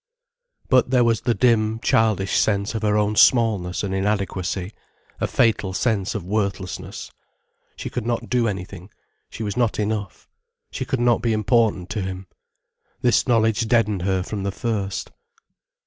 But there was the dim, childish sense of her own smallness and inadequacy, a fatal sense of worthlessness. She could not do anything, she was not enough. She could not be important to him. This knowledge deadened her from the first.